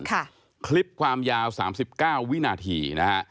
และขึ้นที่ความยาว๓๙วินาที